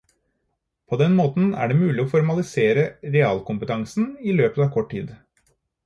På den måten er det mulig å formalisere realkompetansen i løpet av kort tid.